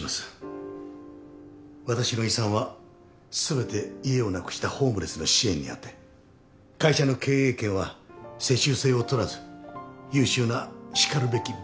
私の遺産は全て家をなくしたホームレスの支援に充て会社の経営権は世襲制をとらず優秀なしかるべき部下に譲ると。